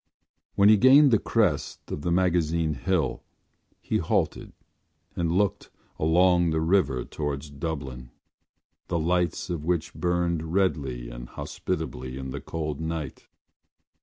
When he gained the crest of the Magazine Hill he halted and looked along the river towards Dublin, the lights of which burned redly and hospitably in the cold night.